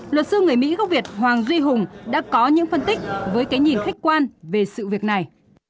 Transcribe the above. luật sư người mỹ gốc việt hoàng duy hùng đã có những phân tích với cái nhìn khách quan về sự việc này